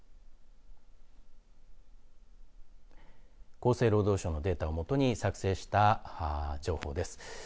厚生労働省のデータを基に作成した情報です。